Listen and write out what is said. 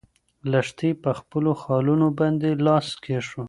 لښتې په خپلو خالونو باندې لاس کېښود.